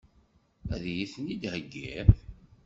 Ad iyi-ten-id-theggiḍ?